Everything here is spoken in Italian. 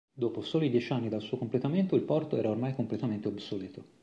Dopo soli dieci anni dal suo completamento il porto era ormai completamente obsoleto.